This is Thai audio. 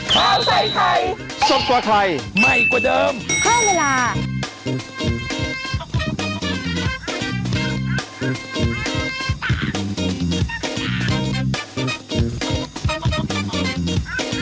โปรดติดตามตอนต่อไป